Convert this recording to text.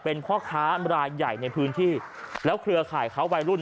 เป็นพ่อค้ารายใหญ่ในพื้นที่แล้วเครือข่ายเขาวัยรุ่น